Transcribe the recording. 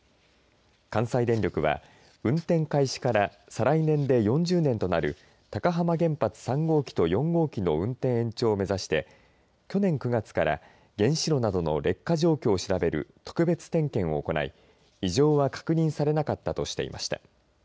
関西電力は運転開始から再来年で４０年となる高浜原発３号機と４号機の運転延長を目指して去年９月から原子炉などの劣化状況を調べる特別点検を行い、異常は確認されなかったとしていました。